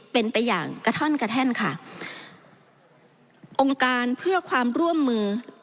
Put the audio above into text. เป็นไปอย่างกระท่อนกระแท่นค่ะองค์การเพื่อความร่วมมือ